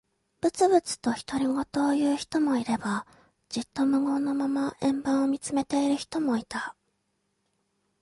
ぶつぶつと独り言を言う人もいれば、じっと無言のまま円盤を見つめている人もいた。